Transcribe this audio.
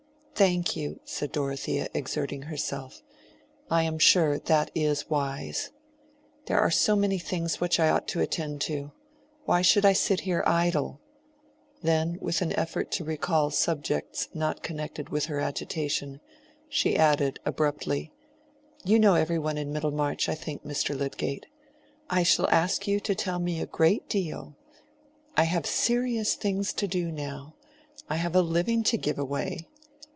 "Thank you," said Dorothea, exerting herself, "I am sure that is wise. There are so many things which I ought to attend to. Why should I sit here idle?" Then, with an effort to recall subjects not connected with her agitation, she added, abruptly, "You know every one in Middlemarch, I think, Mr. Lydgate. I shall ask you to tell me a great deal. I have serious things to do now. I have a living to give away.